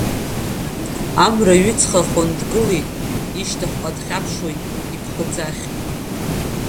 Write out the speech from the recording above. Амра ҩыҵхахон дгылеит, ишьҭахьҟа дхьаԥшуеит, иԥхыӡ ахь.